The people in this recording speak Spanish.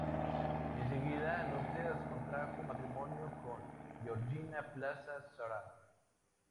En segundas nupcias contrajo matrimonio con Georgina Plaza Zárate.